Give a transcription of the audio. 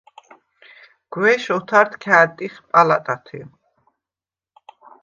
გუ̂ეშ ოთარდ ქა̄̈დტიხ პალატათე.